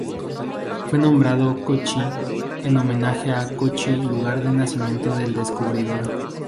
Fue nombrado Kochi en homenaje a Kōchi lugar de nacimiento del descubridor.